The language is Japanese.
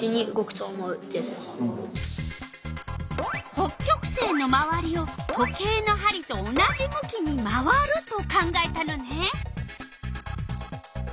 北極星のまわりを時計のはりと同じ向きに回ると考えたのね。